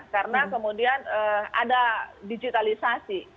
karena kemudian ada digitalisasi